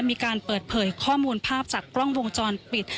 มีการเปิดเผยข้อมูลภาพจากกล้องวงจรปิด